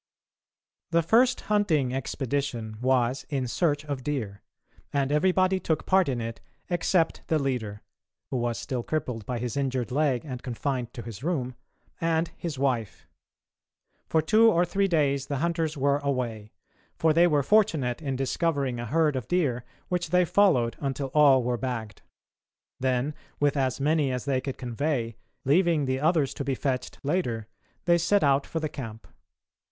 The first hunting expedition was in search of deer, and everybody took part in it except the leader, who was still crippled by his injured leg and confined to his room, and his wife. For two or three days the hunters were away, for they were fortunate in discovering a herd of deer which they followed until all were bagged. Then, with as many as they could convey, leaving the others to be fetched later, they set out for the camp.